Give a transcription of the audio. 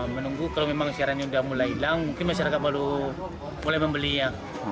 menunggu kalau memang sekarang udah mulai hilang ke masyarakat baru mulai membelinya